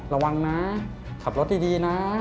ระวังนะขับรถดีนะ